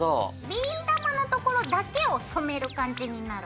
ビー玉のところだけを染める感じになる。